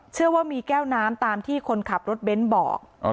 เชื่อว่ามีแก้วน้ำตามที่คนขับรถเบ้นบอก